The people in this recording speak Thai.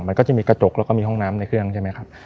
มันก็จะมีกระจกแล้วก็มีห้องน้ำในเครื่องใช่ไหมครับ